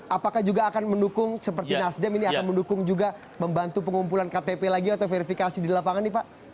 apakah juga akan mendukung seperti nasdem ini akan mendukung juga membantu pengumpulan ktp lagi atau verifikasi di lapangan nih pak